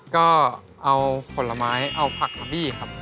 ก็เอาผลไม้เอาผักมาบี้ครับ